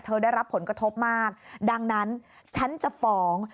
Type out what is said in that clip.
ได้รับผลกระทบมากดังนั้นฉันจะฟ้อง